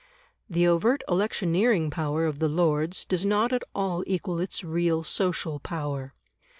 The overt electioneering power of the Lords does not at all equal its real social power.